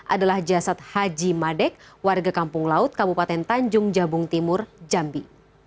adalah jasad haji madek warga kampung laut kabupaten tanjung jabung timur jambi